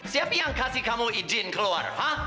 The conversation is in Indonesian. siapa yang kasih kamu izin keluar